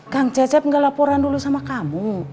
kang cecep nggak laporan dulu sama kamu